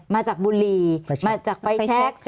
มาจากบุรีมาจากไฟแชค